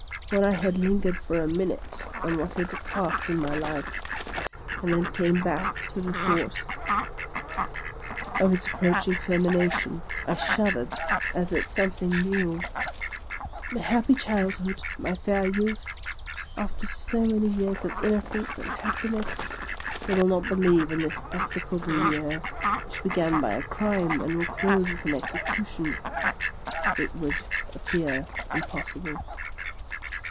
When I had lingered for a minute on what had passed in my life, and then came back to the thought of its approaching termination, I shuddered as at something new. My happy childhood, my fair youth, — a golden web with its end stained. If any read my history, after so many years of innocence and happiness, they will not believe in this execrable year, which began by a crime, and will close with an execution. It would appear impossible.